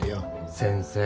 先生